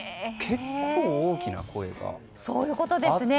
結構、大きな声があった。